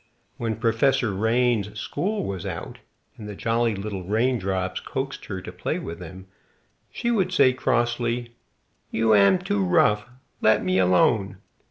When Professor Rain's school was out, and the jolly little raindrops coaxed her to play with them, she would say crossly, "You am too rough, let me alone!"